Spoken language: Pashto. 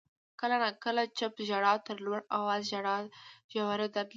• کله ناکله چپ ژړا تر لوړ آوازه ژړا ژور درد لري.